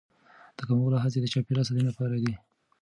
د کمولو هڅې د چاپیریال ساتنې لپاره دي.